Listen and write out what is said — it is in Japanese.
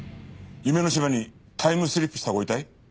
夢の島にタイムスリップしたご遺体？